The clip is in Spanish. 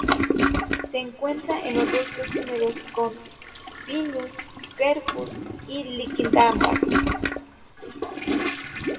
Se encuentra en los bosques húmedos con "Pinus, Quercus" y "Liquidambar".